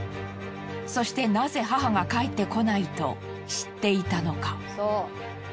そしてなぜ母が帰って来ないと知っていたのか。